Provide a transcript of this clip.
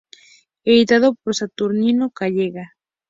Editado por Saturnino Calleja.